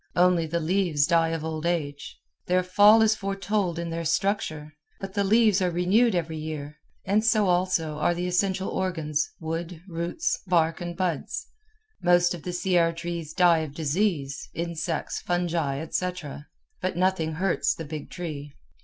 Only the leaves die of old age. Their fall is foretold in their structure; but the leaves are renewed every year, and so also are the essential organs wood, roots, bark, buds. Most of the Sierra trees die of disease, insects, fungi, etc., but nothing hurts the big tree.